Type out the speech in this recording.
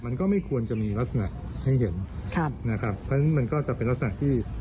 มันก็ไม่ควรจะมีลักษณะให้เห็นครับนะครับเพราะฉะนั้นมันก็จะเป็นลักษณะที่